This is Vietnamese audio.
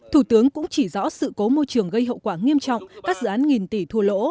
thủ tướng cũng chỉ rõ sự cố môi trường gây hậu quả nghiêm trọng các dự án nghìn tỷ thua lỗ